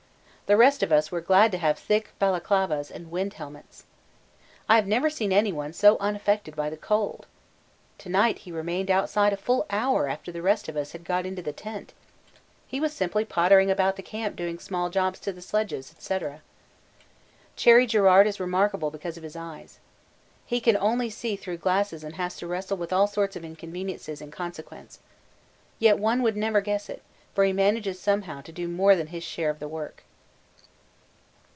The rest of us were glad to have thick Balaclavas and wind helmets. I have never seen anyone so unaffected by the cold. To night he remained outside a full hour after the rest of us had got into the tent. He was simply pottering about the camp doing small jobs to the sledges, &c. Cherry Garrard is remarkable because of his eyes. He can only see through glasses and has to wrestle with all sorts of inconveniences in consequence. Yet one could never guess it for he manages somehow to do more than his share of the work.